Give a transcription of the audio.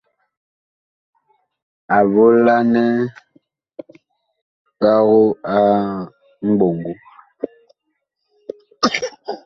A volanɛ pago a mɓoŋgo.